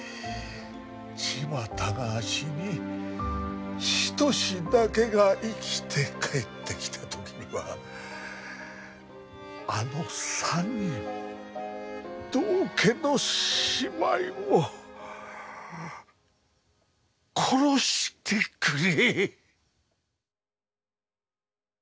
千万太が死に一だけが生きて帰ってきた時にはあの３人を道化の姉妹を殺してくれ！